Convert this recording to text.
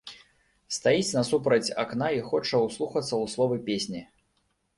Стаіць насупраць акна і хоча ўслухацца ў словы песні.